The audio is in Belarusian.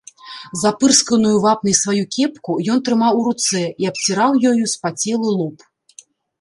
Запырсканую вапнай сваю кепку ён трымаў у руцэ і абціраў ёю спацелы лоб.